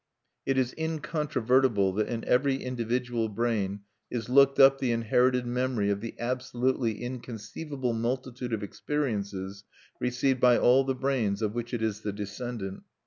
It is incontrovertible that in every individual brain is looked up the inherited memory of the absolutely inconceivable multitude of experiences received by all the brains of which it is the descendant.